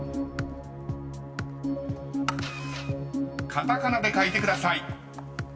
［カタカナで書いてください］